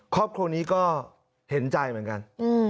ครอบครัวนี้ก็เห็นใจเหมือนกัน